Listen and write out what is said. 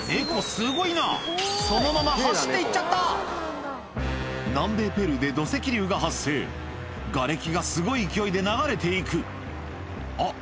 すごいなそのまま走って行っちゃった南米ペルーで土石流が発生がれきがすごい勢いで流れて行くあっ